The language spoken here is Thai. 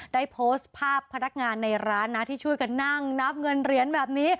ได้โพสต์ภาพพนักงานในร้านนะที่ช่วยกันนั่งนับเงินเหรียญแบบนี้